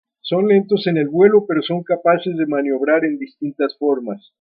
Son lentos en el vuelo, pero son capaces de maniobrar en distintas formas.